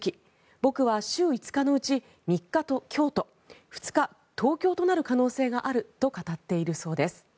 僕は週５日のうち３日京都２日東京となる可能性があると語っているそうです。